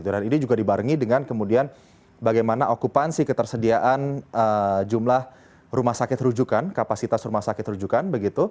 dan ini juga dibarengi dengan kemudian bagaimana okupansi ketersediaan jumlah rumah sakit rujukan kapasitas rumah sakit rujukan